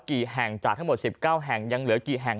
กี่แห่งจากทั้งหมด๑๙แห่งยังเหลือกี่แห่ง